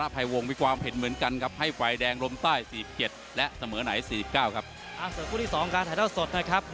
เพื่อนร่วมค่ายคู่แรกที่แพ้ไปแล้วนะครับ